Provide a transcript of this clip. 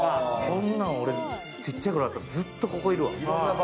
こんなんちっちゃい頃あったら、俺ずっとここにいるわ。